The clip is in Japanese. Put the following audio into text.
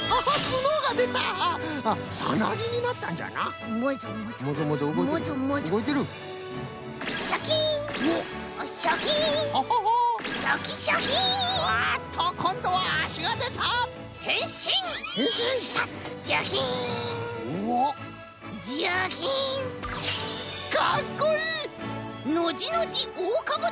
ノジノジオオカブトムシだ！